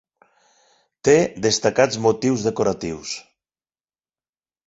Té destacats motius decoratius.